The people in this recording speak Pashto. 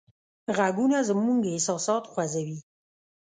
غږونه زموږ احساسات خوځوي.